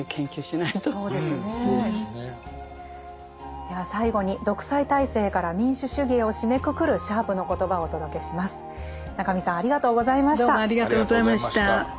では最後に「独裁体制から民主主義へ」を締めくくるシャープの言葉をお届けします。